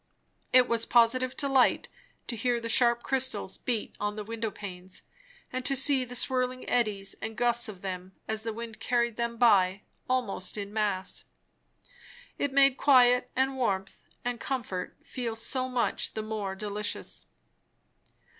It was positive delight to hear the sharp crystals beat on the window panes and to see the swirling eddies and gusts of them as the wind carried them by, almost in mass. It made quiet and warmth and comfort feel so much the more delicious.